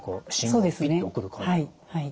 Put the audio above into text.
そうですねはい。